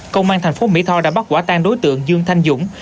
công an thành phố mỹ tho đã bắt quả tang đối tượng dương thanh dũng